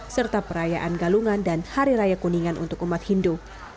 serta perayaan galungan dan hari raya kuningan untuk umat hindu